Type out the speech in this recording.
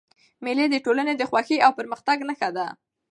مېلې د ټولني د خوښۍ او پرمختګ نخښه ده.